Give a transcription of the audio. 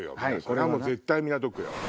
これは絶対港区よ。